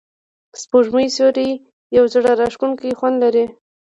د سپوږمۍ سیوری یو زړه راښکونکی خوند لري.